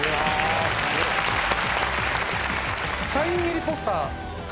サイン入りポスター獲得。